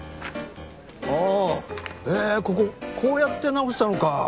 あぁへぇこここうやって直したのか。